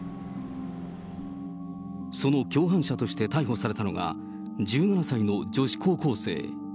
その共犯者として逮捕されたのが、１７歳の女子高校生。